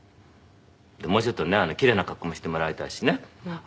「もうちょっとね奇麗な格好もしてもらいたいしね」。